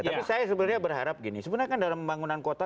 tapi saya sebenarnya berharap gini sebenarnya kan dalam pembangunan kota